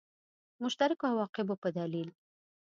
د مشترکو عواقبو په دلیل.